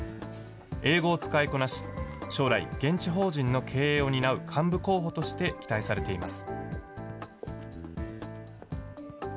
英語を使いこなし、将来、現地法人の経営を担う幹部候補として期待されています。